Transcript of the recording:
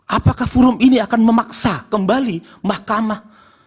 apakah forum ini akan memaksa kembali mahkamah